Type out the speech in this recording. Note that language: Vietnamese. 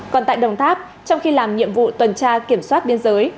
còn tại đồng tháp trong khi làm nhiệm vụ tuần tra kiểm soát biên giới